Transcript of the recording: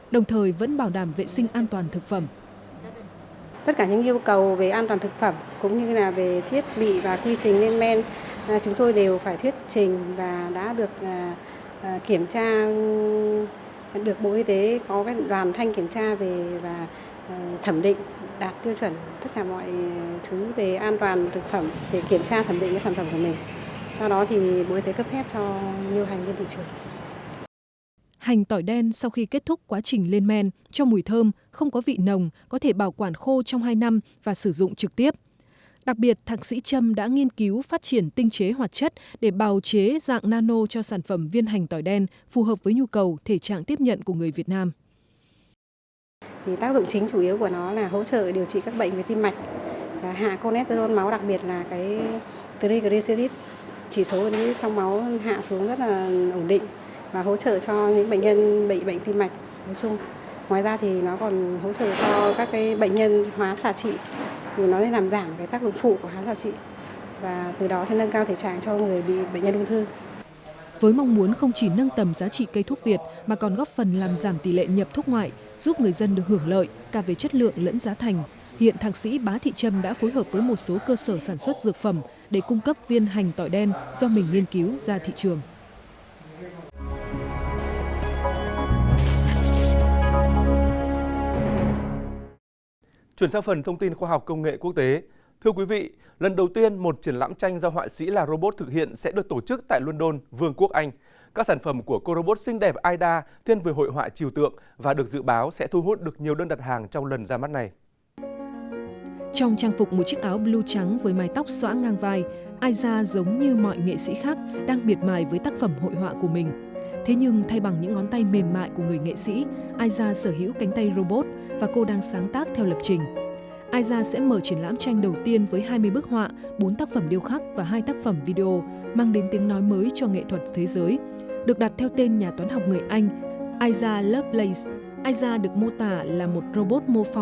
để thay đổi định kiến này một nhóm sinh viên thời trang tại vương quốc anh đang tận dụng những chất liệu tưởng chừng như sẽ bị bỏ đi để tạo ra những sản phẩm thời trang cao cấp